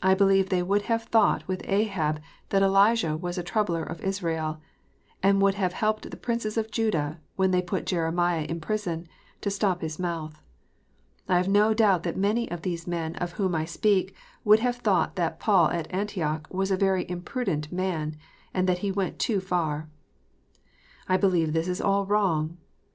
I believe they would have thought with Ahab that Elijah was a troubler of Israel, and would have helped the princes of Judah when they put Jeremiah in prison, to stop his mouth. I have no doubt that many of these men of whom I speak, would have thought that Paul at Antioch was a very imprudent man, and that he went too far ! I believe this is all wrong.